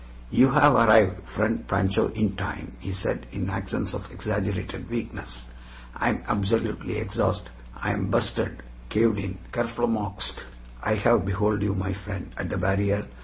"You have arrived, friend Pancho, in time," he said, in accents of exaggerated weakness. "I am absolutely exhaust. I am bursted, caved in, kerflummoxed. I have behold you, my friend, at the barrier.